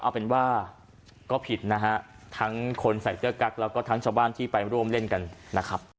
เอาเป็นว่าก็ผิดนะฮะทั้งคนใส่เสื้อกั๊กแล้วก็ทั้งชาวบ้านที่ไปร่วมเล่นกันนะครับ